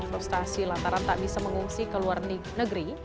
investasi lantaran tak bisa mengungsi ke luar negeri